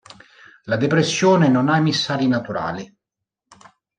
La depressione non ha emissari naturali.